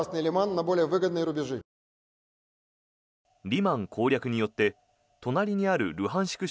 リマン攻略によって隣にあるルハンシク